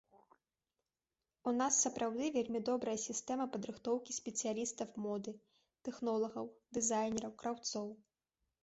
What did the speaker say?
У нас сапраўды вельмі добрая сістэма падрыхтоўкі спецыялістаў моды, тэхнолагаў, дызайнераў, краўцоў.